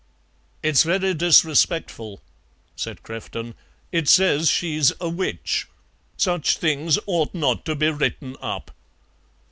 "It's very disrespectful," said Crefton; "it says she's a witch. Such things ought not to be written up."